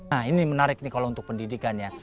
nah ini menarik nih kalau untuk pendidikan ya